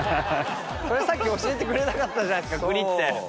これさっき教えてくれなかったじゃないですかクリって。